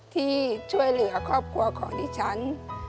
ที่ช่วยเหลือครอบครัวของดิฉัน